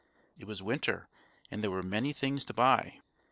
It was Winter, and there were many things to buy.